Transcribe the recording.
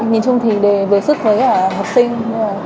nhìn chung thì đề vừa sức với cả học sinh